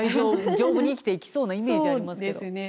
丈夫に生きていきそうなイメージありますけど。